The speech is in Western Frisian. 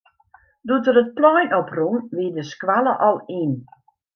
Doe't er it plein op rûn, wie de skoalle al yn.